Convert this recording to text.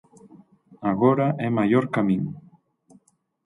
Agora é maior ca min.